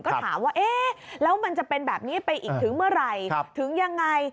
ก็ถามว่าเอ๊ะแล้วมันจะเป็นแบบนี้ไปอีกถึงเมื่อไหร่ถึงยังไง